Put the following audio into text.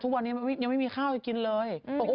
ทุกวันนี้ก็ไม่มีคาวกินเลย